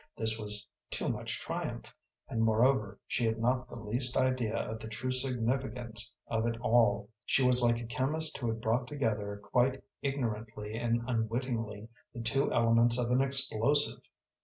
This was too much triumph, and, moreover, she had not the least idea of the true significance of it all. She was like a chemist who had brought together, quite ignorantly and unwittingly, the two elements of an explosive.